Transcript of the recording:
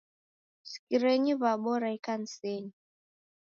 Sikirenyi w'abora ikanisenyi.